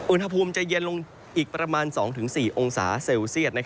อุณหภูมิจะเย็นลงอีกประมาณ๒๔องศาเซลเซียต